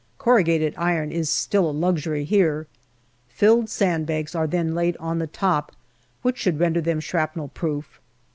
Corru gated iron is still a luxury here. Filled sand bags are then NOVEMBER 267 laid on the top, which should render them shrapnel proof.